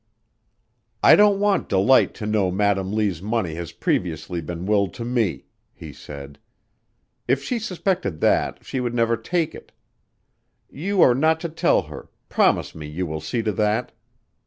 "I don't want Delight to know Madam Lee's money has previously been willed to me," he said. "If she suspected that, she would never take it. You are not to tell her promise me you will see to that."